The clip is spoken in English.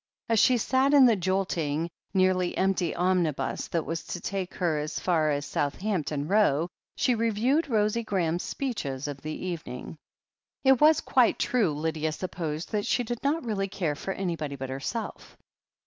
As she sat in the jolting, nearly empty omnibus that was to take her as far as Southampton Row, she re viewed Rosie Graham's speeches of the evening. It was quite true, Lydia supposed, that she did not really care for anybody but herself.